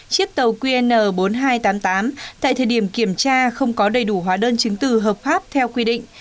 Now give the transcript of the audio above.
chiếc tàu qn bốn nghìn hai trăm tám mươi tám tại thời điểm kiểm tra không có đầy đủ hóa đơn chứng từ hợp pháp theo quy định